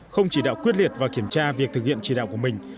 không chỉ đạo quyết liệt và kiểm tra việc thực hiện chỉ đạo của mình